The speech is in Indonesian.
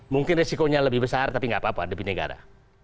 mungkin resikonya lebih besar tapi nggak apa apa lebih negara